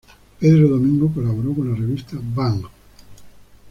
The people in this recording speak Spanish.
Pedro Domingo colaboró con la revista Bang!